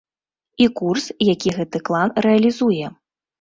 І курс, які гэты клан рэалізуе.